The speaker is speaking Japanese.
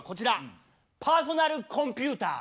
パーソナルコンピューター！